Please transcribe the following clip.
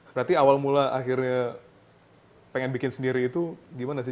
berarti awal mula akhirnya pengen bikin sendiri itu gimana sih